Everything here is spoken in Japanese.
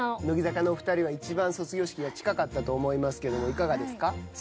乃木坂のお二人は一番卒業式が近かったと思いますけどもいかがですか？